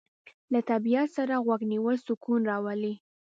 له طبیعت سره غوږ نیول سکون راولي.